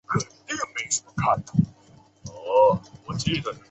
翻新期间亦进行了结构改善工程。